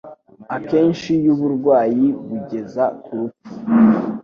akenshi yu burwayi bugeza ku rupfu.